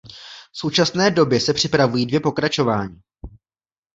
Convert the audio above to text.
V současné době se připravují dvě pokračování.